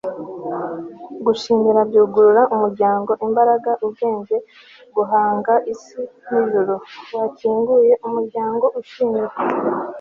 gushimira byugurura umuryango imbaraga, ubwenge, guhanga isi n'ijuru. wakinguye umuryango ushimira